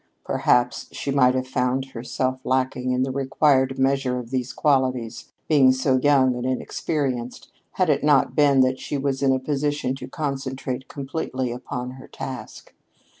Perhaps she might have found herself lacking in the required measure of these qualities, being so young and inexperienced, had it not been that she was in a position to concentrate completely upon her task.